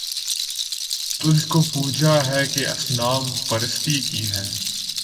تجھ کو پوجا ہے کہ اصنام پرستی کی ہے